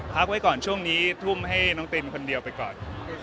พักไว้ก่อนช่วงนี้ทุ่มให้น้องตินคนเดียวไปก่อน